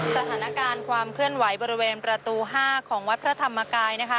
สถานการณ์ความเคลื่อนไหวบริเวณประตู๕ของวัดพระธรรมกาย